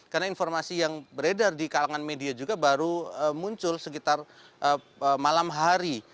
karena informasi yang beredar di kalangan media juga baru muncul sekitar malam hari